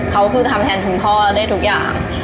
เขาคือจะทำแทนคุณพ่อได้ทุกอย่าง